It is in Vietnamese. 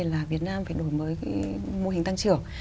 là việt nam phải đổi mới cái mô hình tăng trưởng